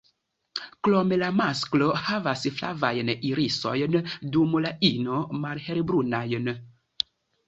Krome la masklo havas flavajn irisojn, dum la ino malhelbrunajn.